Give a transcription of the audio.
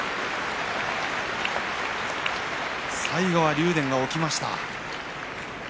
最後は竜電が起きました。